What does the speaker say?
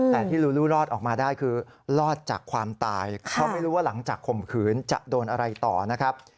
แต่ที่ลูรอดออกมาได้คือรอดจากความตายเพราะไม่รู้ว่าหลังจากข่มขืนจะโดนอะไรต่อนะครับ